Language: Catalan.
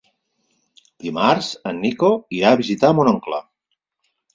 Dimarts en Nico irà a visitar mon oncle.